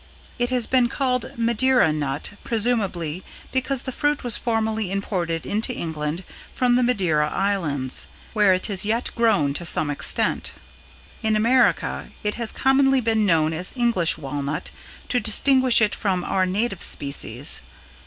It has been called Madeira Nut, presumably because the fruit was formerly imported into England from the Madeira Islands, where it is yet grown to some extent. In America it has commonly been known as English Walnut to distinguish it from our native species.